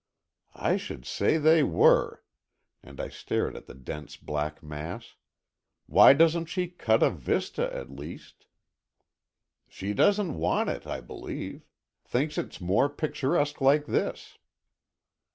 "I should say they were!" and I stared at the dense black mass. "Why doesn't she cut a vista, at least?" "She doesn't want it, I believe. Thinks it's more picturesque like this."